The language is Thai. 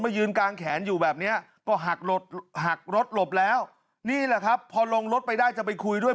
ยืนกางแขนอยู่แบบเนี้ยก็หักหลบหักรถหลบแล้วนี่แหละครับพอลงรถไปได้จะไปคุยด้วย